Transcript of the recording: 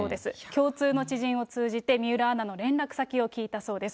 共通の知人を通じて水卜アナの連絡先を聞いたそうです。